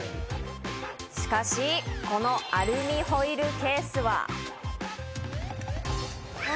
しかし、このアルミホイルケースは。